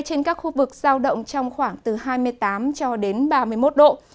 trên các khu vực giao động trong khoảng từ hai mươi tám ba mươi một độ